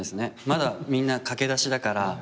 まだみんな駆け出しだから。